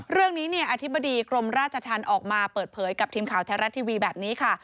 เรื่องนี้เนี่ยอธิบดีกรมราชธรรมออกมาเปิดเผยกับทีมข่าวแท้รัฐทีวีแบบนี้ค่ะ